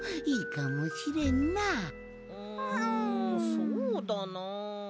そうだな。